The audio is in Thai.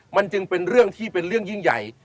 มันจึงเป็นเรื่องที่เป็นเรื่องยิ่งใหญ่